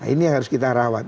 ini yang harus kita rawat